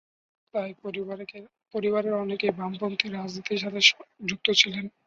তার পরিবারের অনেকেই বামপন্থী রাজনীতির সাথে যুক্ত ছিলেন।